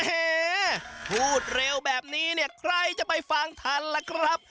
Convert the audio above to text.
พูดเร็วแบบนี้เนี่ยใครจะไปฟังทันล่ะครับ